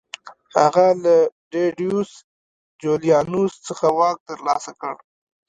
هغه له ډیډیوس جولیانوس څخه واک ترلاسه کړ